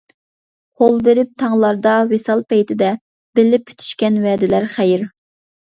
قول بېرىپ تاڭلاردا ۋىسال پەيتىدە، بىللە پۈتۈشكەن ۋەدىلەر خەير.